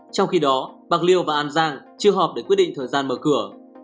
trong khi đó bạc liêu và an giang chưa họp để quyết định thời gian mở cửa